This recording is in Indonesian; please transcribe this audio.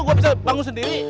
gue bisa bangun sendiri